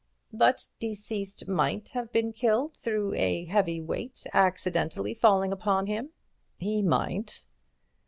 "But deceased might have been killed through a heavy weight accidentally falling upon him?" "He might."